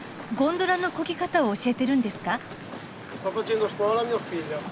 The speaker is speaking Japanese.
ゴンドラのこぎ方を教えてるんですか？